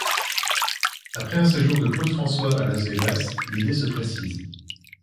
Après un séjour de Claude François à Las Vegas, l’idée se précise.